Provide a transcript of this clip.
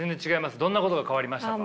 どんなことが変わりましたか？